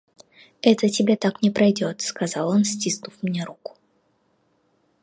«Это тебе так не пройдет, – сказал он, стиснув мне руку.